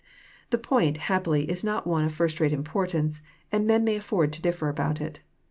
The point, happily, is not one of first rate importance, and men may afford to differ about it.